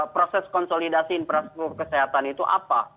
proses konsolidasi infrastruktur kesehatan itu apa